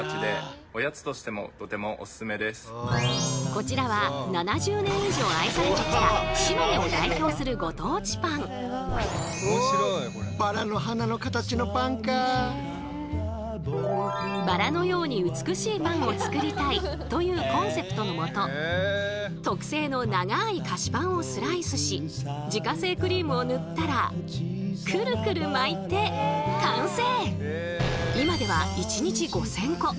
こちらは７０年以上愛されてきた島根を代表するご当地パン。を作りたいというコンセプトのもと特製の長い菓子パンをスライスし自家製クリームを塗ったらクルクル巻いて完成！